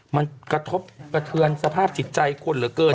มันกระทบกระเทือนสภาพจิตใจคนเหลือเกิน